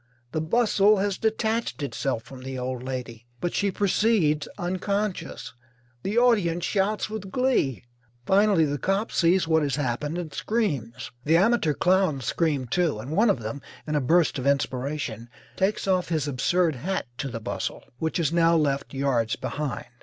the bustle has detached itself from the old lady, but she proceeds, unconscious. The audience shouts with glee. Finally the cop sees what has happened and screams. The amateur clowns scream, too, and one of them, in a burst of inspiration, takes off his absurd hat to the bustle, which is now left yards behind.